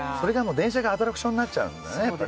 電車がアトラクションになっちゃうんだね。